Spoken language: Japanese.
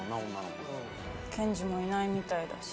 健司もいないみたいだし。